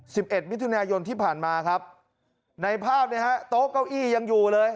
สิบเอ็ดมิถุนายนที่ผ่านมาครับในภาพเนี่ยฮะโต๊ะเก้าอี้ยังอยู่เลย